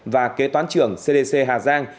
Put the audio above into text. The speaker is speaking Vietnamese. và kế toán trưởng cdc hà giang